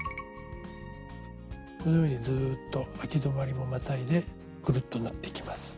このようにずっとあき止まりもまたいでグルッと縫っていきます。